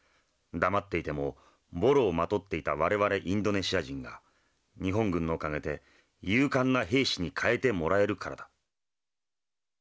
黙っていてもボロをまとっていた我々インドネシア人が日本軍のおかげで勇敢な兵士に変えてもらえるからだ。